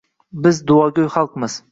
Biz duogo‘y xalqmiz.